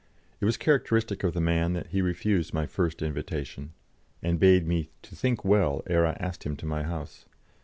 It was characteristic of the man that he refused my first invitation, and bade me to think well ere I asked him to my house.